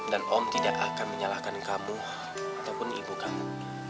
dan om tidak akan menyalahkan kamu ataupun ibu kamu